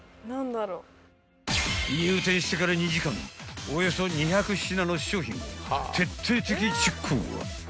［入店してから２時間およそ２００品の商品を徹底的にチェック］